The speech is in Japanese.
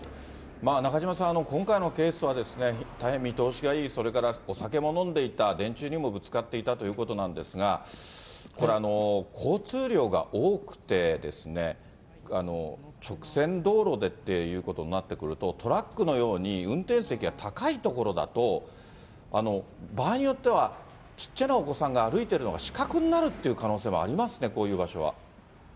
中島さん、今回の件は大変見通しがいい、それからお酒も飲んでいた、電柱にもぶつかっていたということなんですが、交通量が多くて、直線道路でっていうことになってくると、トラックのように運転席が高い所だと、場合によっては、ちっちゃなお子さんが歩いてるのが死角になるという可能性もありますね、こういう場所は。